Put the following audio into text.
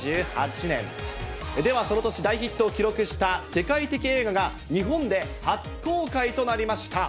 ではその年大ヒットを記録した世界的映画が、日本で初公開となりました。